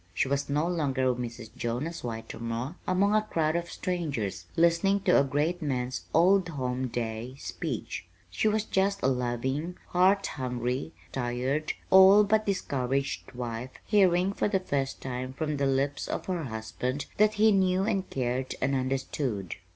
She was no longer Mrs. Jonas Whitermore among a crowd of strangers listening to a great man's Old Home Day speech. She was just a loving, heart hungry, tired, all but discouraged wife hearing for the first time from the lips of her husband that he knew and cared and understood.